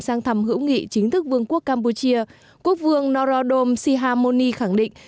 sang thăm hữu nghị chính thức vương quốc campuchia quốc vương norodom sihamoni khẳng định